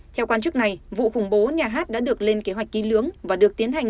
theo quan chức này vụ khủng bố nhà hát đã được lên kế hoạch ký lưỡng và được tiến hành